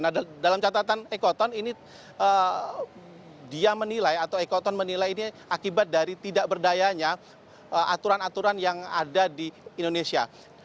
nah dalam catatan ekoton ini dia menilai atau ekoton menilai ini akibat dari tidak berdayanya aturan aturan yang ada di indonesia